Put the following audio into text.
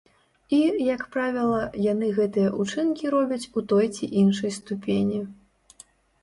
І, як правіла, яны гэтыя ўчынкі робяць, у той ці іншай ступені.